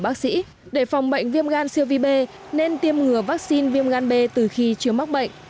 bác sĩ để phòng bệnh viêm gan siêu vi b nên tiêm ngừa vaccine viêm gan b từ khi chưa mắc bệnh